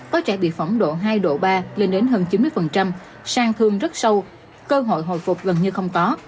có trẻ bị phỏng độ hai độ ba lên đến hơn chín mươi sang thương rất sâu cơ hội hồi phục gần như không có